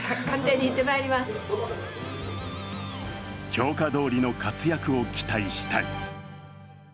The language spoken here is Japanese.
評価通りの活躍を期待したい。